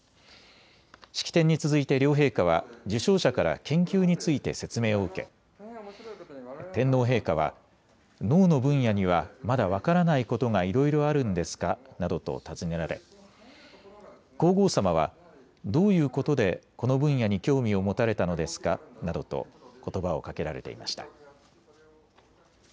式典に続いて両陛下は受賞者から研究について説明を受け天皇陛下は脳の分野にはまだ分からないことがいろいろあるんですかなどと尋ねられ皇后さまは、どういうことでこの分野に興味を持たれたのですかなどとことばをかけられていました。